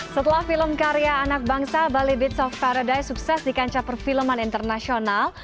setelah film karya anak bangsa bali beats of paradise sukses di kancah perfilman internasional